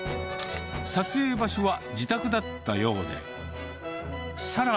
撮影場所は自宅だったようで。